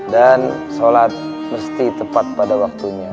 dan sholat mesti tepat pada waktunya